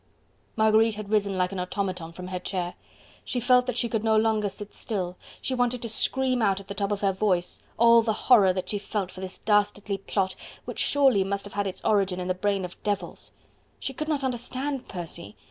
Marguerite had risen like an automaton from her chair. She felt that she could no longer sit still, she wanted to scream out at the top of her voice, all the horror she felt for this dastardly plot, which surely must have had its origin in the brain of devils. She could not understand Percy.